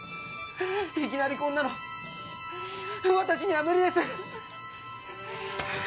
いきなりこんなの私には無理です